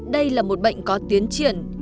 đây là một bệnh có tiến triển